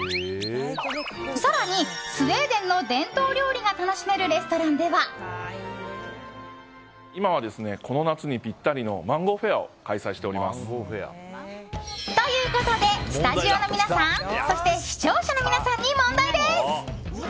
更に、スウェーデンの伝統料理が楽しめるレストランでは。ということでスタジオの皆さんそして視聴者の皆さんに問題です。